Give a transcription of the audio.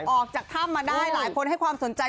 ออกจากถ้ำมาได้หลายคนให้ความสนใจ